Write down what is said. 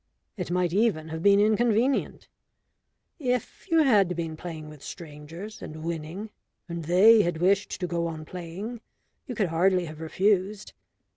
It might even have been inconvenient. If you had been playing with strangers and winning, and they had wished to go on playing, you could hardly have refused.